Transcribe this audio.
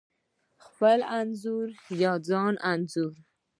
خپل انځور یا ځان انځور: